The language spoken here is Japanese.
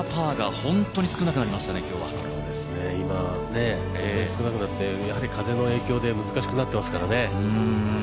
今、少なくなって風の影響で難しくなってますからね。